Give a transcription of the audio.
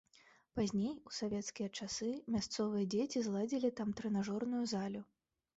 Пазней, у савецкія часы мясцовыя дзеці зладзілі там трэнажорную залю.